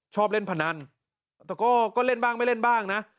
ชอบเล่นพนันแต่ก็เล่นบ้างไม่เล่นบ้างนะ